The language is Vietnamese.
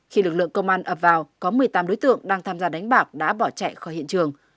khi lực lượng công an ập vào có một mươi tám đối tượng đang tham gia đánh bạc đã bỏ chạy khỏi hiện trường